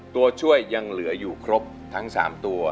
ตัวช่วยยังเหลืออยู่ครบทั้ง๓ตัว